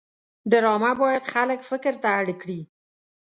ډرامه باید خلک فکر ته اړ کړي